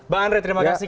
bang andre terima kasih